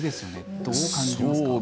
どう感じますか？